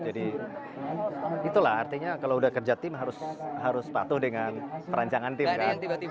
jadi itulah artinya kalau udah kerja tim harus patuh dengan perancangan tim kan